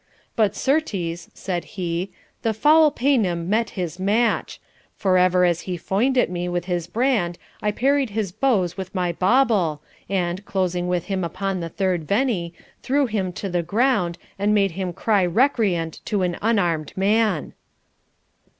'But certes,' said he, 'the foul paynim met his match; for, ever as he foined at me with his brand, I parried his blows with my bauble, and, closing with him upon the third veny, threw him to the ground, and made him cry recreant to an unarmed man.'